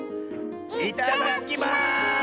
いただきます！